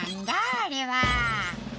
あれは」